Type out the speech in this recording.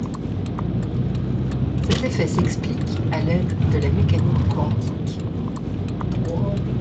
Cet effet s'explique à l'aide de la mécanique quantique.